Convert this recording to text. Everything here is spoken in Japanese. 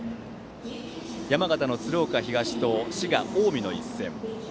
山形の鶴岡東と滋賀・近江の一戦。